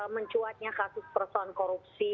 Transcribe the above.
mencuatnya kasus persoalan korupsi